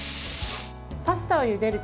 パスタをゆでる